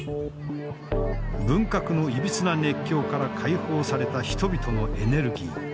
文革のいびつな熱狂から解放された人々のエネルギー。